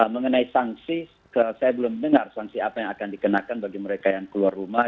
mengenai sanksi saya belum dengar sanksi apa yang akan dikenakan bagi mereka yang keluar rumah